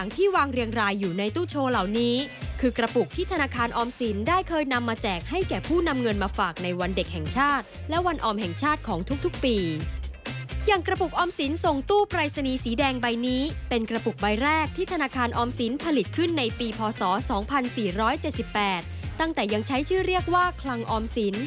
ติดตามจากคุณจดารัฐโภคะธนวัฒน์ได้เลยครับ